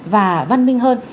và văn minh hơn